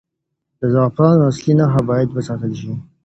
د زعفرانو اصلي نښه باید وساتل شي.